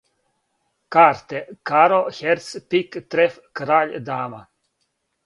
карте каро херц пик треф краљ дама